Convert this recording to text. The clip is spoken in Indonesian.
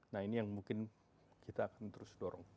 nah ini yang mungkin kita akan terus dorong